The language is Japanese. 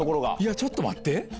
ちょっと待って。